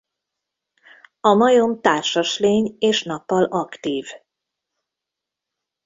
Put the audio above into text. A majom társas lény és nappal aktív.